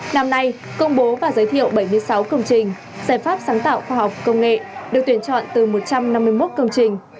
năm nay công bố và giới thiệu bảy mươi sáu công trình giải pháp sáng tạo khoa học công nghệ được tuyển chọn từ một trăm năm mươi một công trình